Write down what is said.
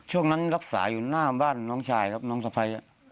ช่วงนั้นรักษาอยู่หน้าบ้านน้องชายครับน้องสะพ้าย